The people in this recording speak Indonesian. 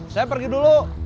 saya pergi dulu